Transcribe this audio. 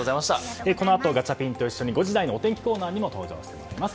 このあと、ガチャピンと一緒に５時台のお天気コーナーにも登場してもらいます。